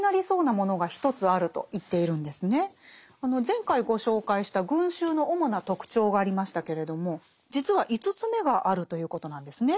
前回ご紹介した群衆の主な特徴がありましたけれども実は５つ目があるということなんですね。